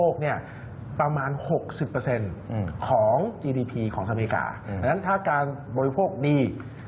ต้องขยับไปไกลเลย